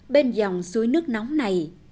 bên dòng suối nước nóng này